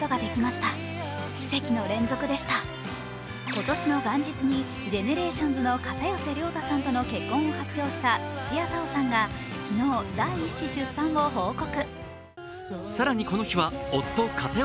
今年の元日にＧＥＮＥＲＡＴＩＯＮＳの片寄涼太さんとの結婚を発表した土屋太鳳さんが昨日、第一子出産を報告。